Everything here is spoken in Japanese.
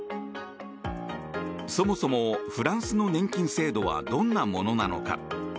そもそも、フランスの年金制度はどんなものなのか？